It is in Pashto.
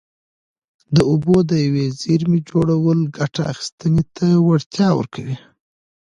د اوبو د یوې زېرمې جوړول ګټه اخیستنې ته وړتیا ورکوي.